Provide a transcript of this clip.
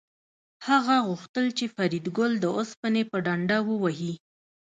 هغه غوښتل چې فریدګل د اوسپنې په ډنډه ووهي